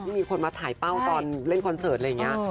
มีคนมาถ่ายเป้าตอนเล่นคอนเสิร์ตอะไรอย่างนี้